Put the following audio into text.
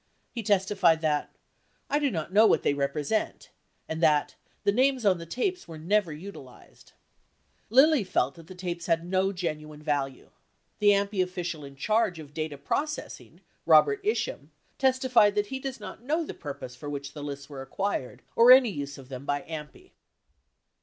He testified that "I do not know what they represent," and that "[t]he names on the tapes ... were never utilized." 53 Lilly felt the tapes had no genuine value. The AMPI official in charge of data proc essing, Robert Isham, testified that he does not know the purpose for which the lists were acquired or any use of them by AMPI.